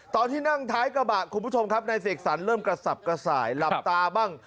ตอนที่นั่งท้ายกระบะคุณผู้ชมครับนายเสกสรรเริ่มกระสับกระส่ายหลับตาบ้าง